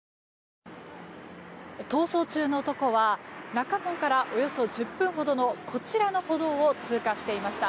逃走中の男は中門からおよそ１０分ほどのこちらの歩道を通過していました。